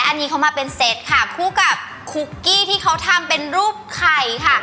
อันนี้เขามาเป็นเซตค่ะคู่กับคุกกี้ที่เขาทำเป็นรูปไข่ค่ะ